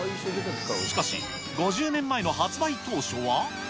しかし、５０年前の発売当初は？